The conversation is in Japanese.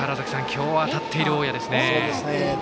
今日当たっている大矢ですね。